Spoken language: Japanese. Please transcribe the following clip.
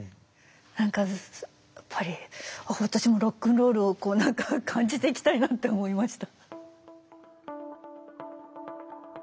何かやっぱり私もロックンロールをこう何か感じていきたいなって思いました。